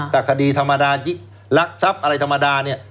แต่คดีธรรมดารักทรัพย์อะไรธรรมดาเนี่ย